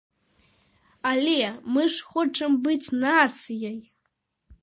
Але мы ж хочам быць нацыяй!